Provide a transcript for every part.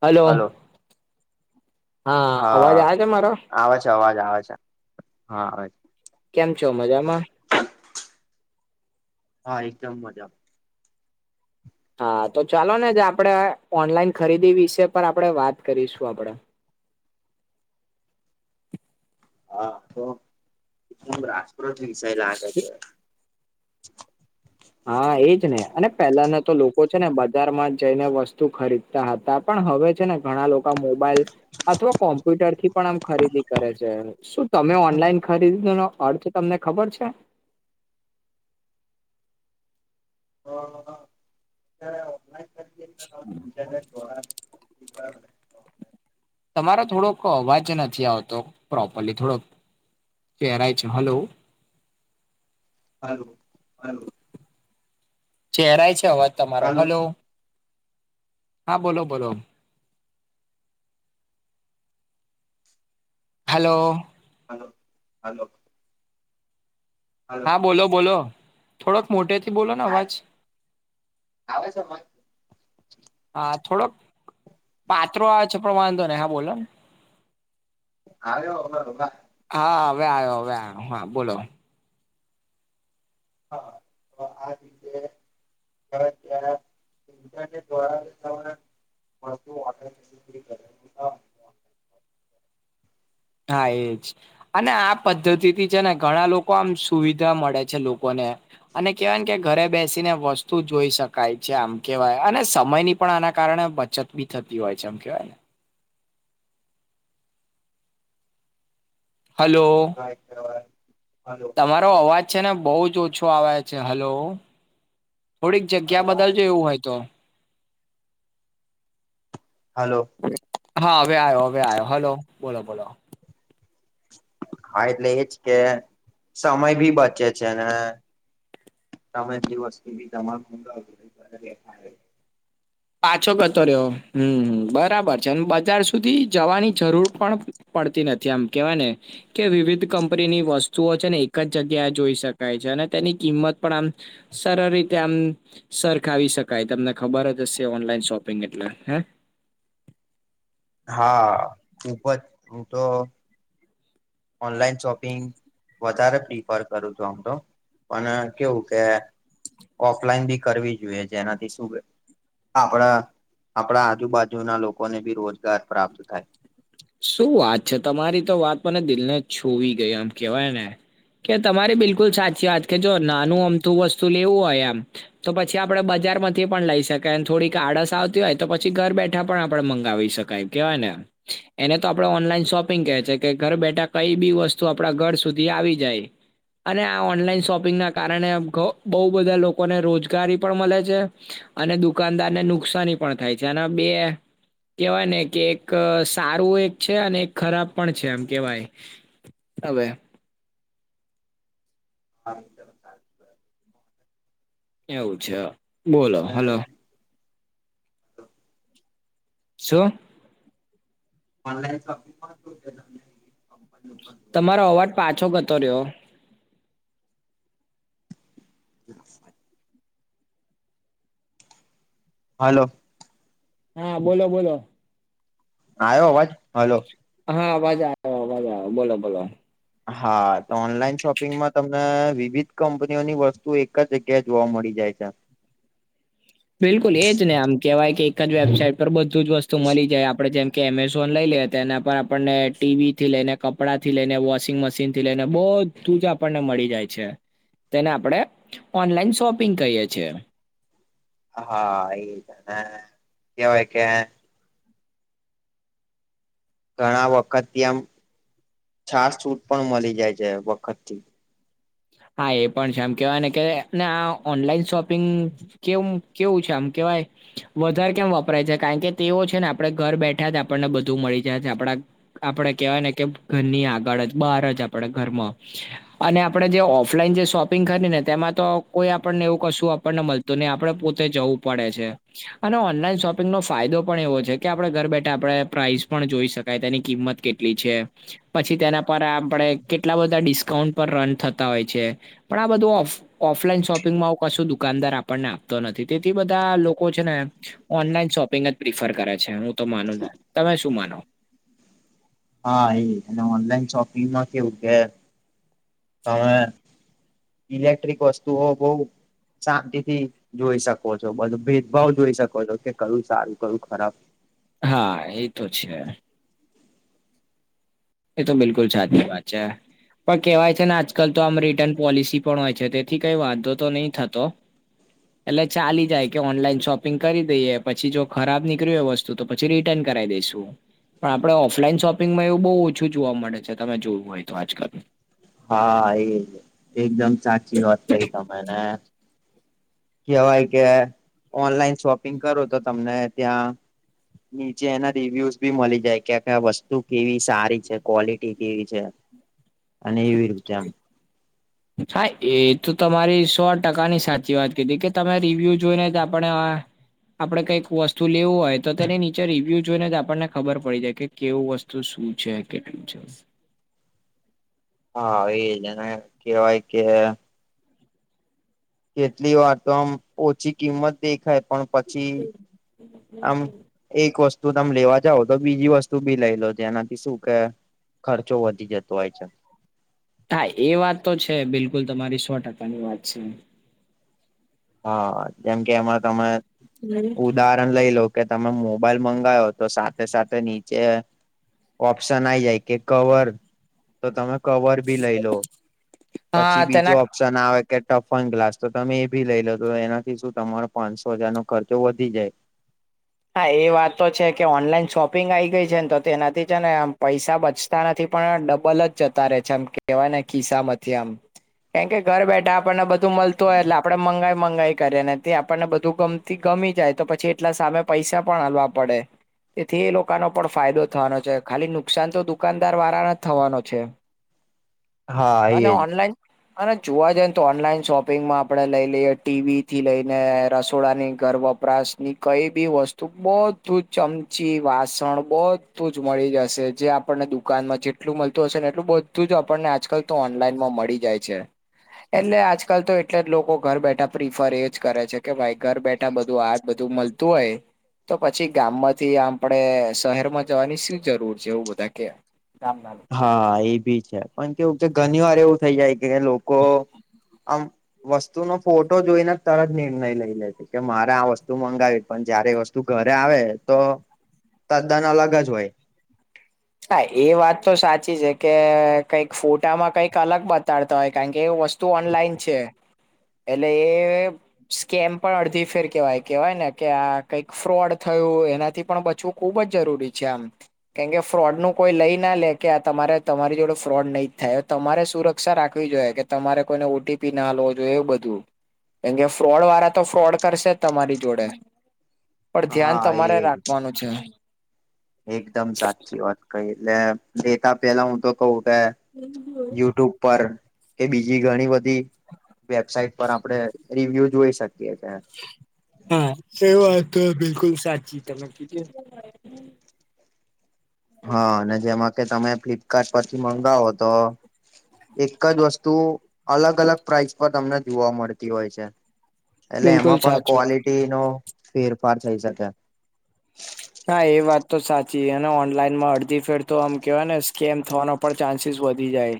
Hello અવાજ હા આવે છે મારો આવે છે અવાજ આવે છે હા કેમ છો મજામાં હા એકદમ મજા હા તો ચાલો ને જ આપણે ઓનલાઈન ખરીદી વિશે પર આપણે વાત કરીશું આપણે હા તો રાજપ્રત વિષય લાગે છે. હા એજ ને અને પેલાના તો લોકો છે ને બજારમાં જઈને વસ્તુ ખરીદ તા હતા પણ હવે છે ને ઘણા લોકો મોબાઈલ અથવા કોમ્પ્યુટર થી પણ આમ ખરીદી કરે છે શું તમે ઓનલાઈન ખરીદીનો અર્થ તમને ખબર છે [unintelligible] ક્યારે આવો થાય [inaudible] તમારો થોડોક અવાજ નથી આવતો પ્રોપરલી થોડોક ધેરાય છે હલો હલો હલો ચહેરાય છે અવાજ તમારો હલો હા બોલો બોલો હલો હાલ હલો હલો હા બોલો બોલો થોડોક મોટેથી બોલો ને અવાજ આવે છે અવાજ હા થોડોક પાત્રો આવે છે પણ વાંધો નહી હા બોલો ને આયો અવે અવાજ હા હવે આયો હવે આયો હા બોલો હા તો આ રીતે [unintelligible] દ્વારા તમે [unintelligible] હા એજ અને આ પદ્ધતિ થી છે ને ઘણા લોકો આમ સુવિધા મળે છે લોકોને અને કેવાય ને કે ઘરે બેસીને વસ્તુ જોઈ શકાય છે આમ કેવાય અને સમય ની પણ આના કારણે બચતબી થતી હોય છે એમ કેહેવાય ને. હલો [unintelligible] હલો તમારો અવાજ છે ને બહુ જ ઓછો આવેછે હલો થોડીક જગ્યા હલો બદલજો એવું હોય તો હલો હા હવે આયો હવે આયો હલો બોલો બોલો હા એટલે એજ કે સમય ભી બચે છે ને તમે [unintelligible] પાછો કરતો રહ્યો. હમ્મ બરાબર છે અને બજાર સુધી જવાની જરૂર પણ પડતી નથી આમ કેવાય ને. કે વિવિધ કંપનીની વસ્તુઓ છે ને એક જ જગ્યાએ જોઈ શકાય છે. અને તેની કિંમત પણ આમ સરળ રીતે આમ સરખાવી શકાય તમને ખબર અજ જશે ઓનલાઈન શોપિંગ એટલે હે. હા, ખૂબજ અહ તો ઓનલાઈન શોપિંગ વધારે પ્રિફર કરું છું આમ તો પણ કેવું કે ઓફલાઈન બી કરવી જોઈએ જે એનાથી શું આપડા આપડા આજુબાજુ ના લોકોને બી રોજગાર પ્રાપ્ત થાય. શું વાત છે. તમારી તો વાત મને દિલને છુવી ગઈ આમ કેવાય ને. કે તમારી બિલકુલ સાચી વાત કે જો નાનું અમતું વસ્તુ લેવું હોય આમ તો પછી આપડે બજારમાંથી પણ લઈ શકાય થોડીક આડસ આવતી હોય તો પછી ઘર બેઠા પણ આપડે મંગાવી શકાય. કવાયને. એને તો આપડા ઓનલાઈન શોપિંગ કે છે કે ઘર બેઠા કઈ બી વસ્તુ આપડા ઘર સુધી આવી જાય. અને આ ઓનલાઈન શોપિંગના કારણે કો બહુ બધા લોકોને રોજગારી પણ મલે છે અને દુકાનદાર ને નુકસાની પણ થાય છે અનેના બે કહેવાય ને કે એક સારું એક છે અને એક ખરાબ પણ છે એમ કેવાય હવે. હા. એવું છે બોલો હલો. શું? ઓનલાઈન શોપિંગ પર [inaudible] કંપની ઉપર તમારો અવાજ પાછો ગતો રહ્યો. જેના ફાય હલો. હા બોલો બોલો. આયો અવાજ હલો. હા આવાજ આયો આવાજ આયો બોલો બોલો. હા તો ઓનલાઈન શોપિંગમાં તમને વિવિધ કંપનીઓની વસ્તુ એક જગ્યાએ જોવા મળી જાય છે. બિલકુલ એ જ ને આમ કહેવાય કે એક જ વેબસાાઈટ પર બધું જ વસ્તુ મલી જાય આપડે જેમ કે એમેઝોન લઈ લે હતા એના પર આપણને ટીવી થી લઈને કપડાંથી લઈને વોશિંગ મશીન થી લઈને બ ધુંજ આપણને મળી જાય છે તેને આપડે ઓનલાઈન શોપિંગ કહીએ છે. હા, એ તને કેવાય કે ઘણા વખતથી આમ છાસ છૂટ પણ મળી જાય છે વખતથી. હા એ પણ છે આમ કેહેવાય ને કે, ને આ ઓનલાઈન શોપિંગ કેમ કેવું છે, આમ કેવાય વધારે કેમ વપરાય છે, કારણ કે તેઓ છે, ને આપડે ઘર બેઠા જ આપણને બધું મળી જાય આપડા આપડે કેવાય ને કે ઘરની આગળ જ બહાર જ આપડે ઘરમાં અને આપડે જે ઓ ઓફલાઈન જે શોપિંગ કરી ને તેમાં તો કોઈ આપણને એવું કશું આપણને મળતું નહી, આપડે પોતે જવું પડે છે. અને ઓનલાઈન શોપિંગનો ફાયદો પણ એવો છે કે આપડે ઘર બેઠા આપણે પ્રાઇસ પણ જોઈ શકાય તેની કિંમત કેટ તી છે. પછી તેના પર આપણે કેટલા બધાં ડિસ્કાઉન્ટ પર રન થતા હોય છે. પણ આ બધું ઓફ ઓફલાઈન શોપિંગમાં આવું કશું દુકાનદાર આપણને આપતો નથી તેથી બધા લોકો છે ને ઓનલાઈન શોપિંગ જ પ્રિફર કરે છે હું તો માનું છું. તમે શું માનો? હા, એ અને ઓનલાઈન શોપિંગમાં કેવું કે અહ ઇલેક્ટ્રિક વસ્તુઓ બહુ શાંતિથી જોઈ શકો છો બધું ભેદભાવ જોઈ શકો છો કે કરું સારું કરું ખરાબ. હા, એ તો છે. એ તો બિલકુલ સાચી વાત છે. પણ કેહેવાય છે, ને આજકાલ તો આમ રિટર્ન પોલિસી પણ હોય છે. તેથી કઈ વાંધો તો નહી થતો. એટલે ચાલી જાય કે ઓનલાઈન શોપિંગ કરી દઈએ પછી જો ખરાબ નીકરયુ વસ્ સ્તુ તો પછી રિટર્ન કરાય દેસું પણ આપણે ઓફલાઈન સોપિંગ માં એવું બઉ ઓ છું જોવા મળે છે, તમે જોયુ હોય તો આજકાલ. હા, એજ. એકદમ સાચી વાત કહી તમે ને! કહેવાય કે ઓનલાઈન શોપિંગ કરો તો તમને ત્યાં. નીચે એના રિવ્યુઝ બી મલી જાય, કે આ વસ્તુ કેવી સારી છે? ક્વલિટી કેવી છે? અને [unintelligible] હા, એ તો તમારી સો ટકાની સાચી વાત કીધી કે તમે રિવ્યુ જોઈને જ આપણે આપણે કઈક વસ્તુ લેવું હોય, તો તેને નીચે રિવ્યુ જોઈને જ આપણને ખબર પડી જાય કે કેવું વસ્તુ શું છે? કેટલુ છે? હા, એ જ. એને કેવાય કે કેટલી વાર તો આમ ઓછી કિંમત દેખાય, પણ પછી આમ એક વસ્તુ તમે લેવા જાઓ તો બીજી વસ્તુ બી લઈ લો. જેનાથી સુ કે ખર્ચો વધી જતો હોય છે. હા, એ વાત તો છે. બિલકુલ, તમારી સો ટકાની વાત છે. હા, જેમ કે એમાં તમે ઉદાર રણ લઈ લો કે તમે મોબાઈલ મંગાયો, તો સાથે સાથે નીચે ઓપ્શન આઈ જાય કે કવર તો તમે કવર બી લઈ લો હા પછી બીજો તેના ઓપ પ્શન આવે કે ટફન ગ્લાસ. તો તમે એ બી લઈ લો. તો એનાથી સુ તમારો પાંચસો હજાર નો ખર્ચો વધી જાય હા, એ વાત તો છે, કે ઓનલાઈન શોપિંગ આઈ ગઈ છે ને તો તેનાથી છે ને આમ પૈસા બચ તા નથી પણ ડબલ જ જતા રહે છે, આમ કહેવાય ને ખિસ્સામાંથી આમ કેમ કે ઘર બેઠા આપણને બધું મલતું હોય, એટલે આપણે મંગાઈ મંગાઈ કરીએ, ને તે આપણને બધું ગમત થી ગમી જાય તો પછી, એટલા સામે પૈસા પણ આલવા પડે. તેથી એ લોકાનો પણ ફાયદો થવાનો છે, ખાલી નુકસાન તો દુકાનદાર વારાને થવાનો છે. હા અને એજ. ઓનલાઈન અને જોવા જઈને તો ઓનલાઈન શોપિંગમાં આપડે લઈ લઈએ, ટીવી થી લઈને રસોડાની ઘર વપ પરાશની કઈ પ બી વસ્તુ, બધું જ ચમચી, વાસણ, બધું જ મળી જશે, જે આપણને દુકાનમાં જે. એટલું મળતું હશે ને એટલું બધું જ આપણને આજકાલ તો ઓનલાઈન માં મળી જાય છે. એટલે આજકાલ તો એટલે જ લોકો ઘર બેઠા પ્રિફર એજ કરે છે, કે ભાઈ ઘર બેઠા બધું આડ બધું મલ્ત તો એ તો પછી ગામમાંથી આપડે શહેરમાં જવાની શી જરૂર છે, એવું બધા કે. ગામના લોકો હા એ ભી છે, પણ કેવું ઘણી વાર એવું થઈ જાય કે લોકો આમ વસ્તુનો ફોટો જોઈને તરત નિર્ણય લઈ લે છે, કે મારે આ વસ્તુ મંગાવી પણ જયારે વસ્ તું ઘરે આવે તો તદ્દન અલગ જ હોય. હા એ વાત તો સાચી છે કે કઈક ફોટામાં કંઈક અલગ બતાડતા હોય કારણ કે એ વસ્ તું ઓનલાઈન છે, એટલે એ સ્કેમ પણ અડધી ફેર કેવાય કેવાય ને કે આ કઈક ફ્રોડ થયું એનાથી પણ બચવું ખુબ જ જરૂરી છે આમ, કેમ કે ફ્રોડનું કોઈ લઈ નાલે, કે આ તમારે તમારી જોડે ફ્રોડ નહી થાય, તમારે સુરક્ષા રાખવી જોઈએ કે તમારે કોઈને ઓટીપી ના આલવો જોયે એવું બધું. કેમ કે ફ્રોડ વાળા તો ફ્રોડ કરશે જ તમારી જોડે. પણ ધ્યાન હા તમારે એજ. રાખવાનું છે. એકદમ સાચી વાત. કઈ એટલે દેતા પેલા હું તો કઉ કે યુટ્યુબ પર એ બીજી ઘણી બધી વેબસાઇટ પર આપણે રિવ્યુ જોઈ શક હા, એ વાતતો બિલકુલ સાચી તમે કીધી. હા અને જેમાં કે તમે ફ્લિપકાર્ટ પરથી મંગાવો તો એક જ વસ્તુ અલગ અલગ પ્રાઇઝ પર તમને જોવા મળતી હોય છે. એટલે બિલકુલ એમાં પણ સાચું ક્વોલિટીનો ફેરફાર થઈ શકે હા એ વાત તો સાચીને ઓનલાઈનમાં અડધી ફેરતો આમ કેવાય ને સ્કેમ થવાનો પણ ચાન્સીસ વધી જાય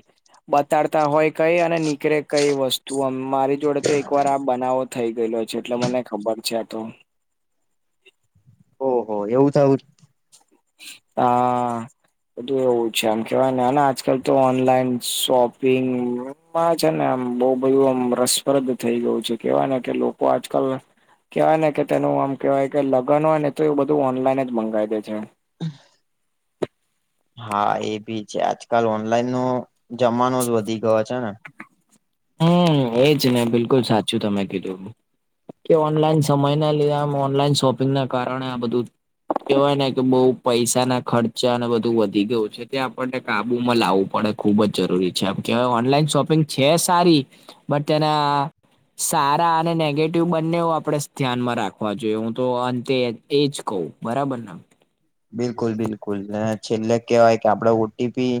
બતાડતા હોય કઈ અને નીકળે કઈ વસ્તુ. તું મારી જોડે તો એક વાર આ બનાવો થઈ ગયેલો છે એટલે મને ખબર છે આ તો. ઓ હો એવું થયુ હા બધું એવું છે, એમ કેવાય ને અને આજકાલ તો ઓનલાઈન શોપિંગ માં છે ને આમ બહુ બધું આમ રસપ્રદ થઈ ગયું છે કેવાય ને કે લોકો આજકાલ કહેવાય ને કે તેનું આમ કેહેવાય, કે લગન હોય ને તો એ બધું ઓનલાઈન જ મંગાય દે છે. હા એ ભી છે આજકાલ ઓનલાઈન નો જમાનો જ વધી ગયો છે ને હમ એજ ને બિલકુલ સાચું તમે કીધું કે ઓનલાઈન સમય ના લીધા ઓનલાઈન શોપિંગ ના કારણે આ બધું કેવાય ને કે બઉુ પૈસા ના ખર્ચા અને બધું વધી ગયું છે ત્યાં આપણને કાબુમાં લાવવું પડે. ખુબ જ જરૂરી છે, આમ કેહેવાય ઓનલાઈન શોપિંગ છે, સારી બટ તેના સારા અને નેગેટિવ બંનેઓ આપણેે ધ્યાનમાં રાખવા જોઈએ, હું તો અંતે એજ કવ બરાબર ને. બિલકુલ બિલકુલ ને છેલ્લે કેહેવાય કે આપડ ઓટીપી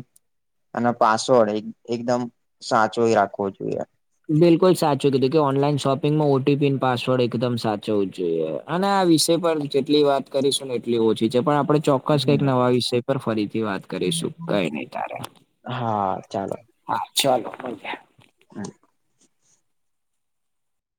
અને પાસવર્ડ એ એકદમ સાચો રાખવો જોઈએ. બિલકુલ સાચું કીધું કે ઓનલાઈન શોપિંગમાં ઓટીપી ન પાસવર્ડ એકદમ સાચવું જોઈએ. આ ને આ વિષય પર જેટલી વાત કરીશું ને એટલી ઓછી છે પણ આપણે ચો [inaudible] હમ, નવા વિષય પર ફરીથી વાત કરીશું કઈ નહી તારે. હા હા ચાલો મલીયે હા